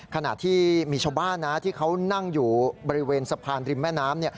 ขณะที่มีชาวบ้านนะที่เขานั่งอยู่บริเวณสะพานริมแม่น้ำ